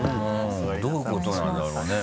どういうことなんだろうね。